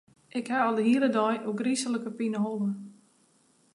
Ik ha al de hiele dei ôfgryslike pineholle.